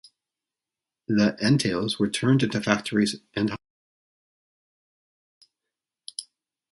The entails were turned into factories and hospitals.